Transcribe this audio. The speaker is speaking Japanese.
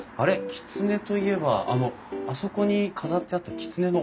きつねといえばあのあそこに飾ってあったきつねのお面。